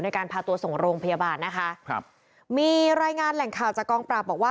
ในการพาตัวส่งโรงพยาบาลนะคะครับมีรายงานแหล่งข่าวจากกองปราบบอกว่า